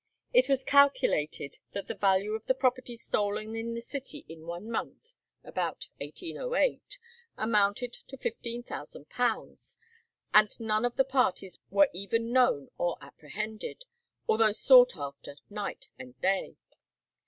It was calculated that the value of the property stolen in the city in one month (circa 1808) amounted to £15,000, and none of the parties were even known or apprehended, although sought after night and day.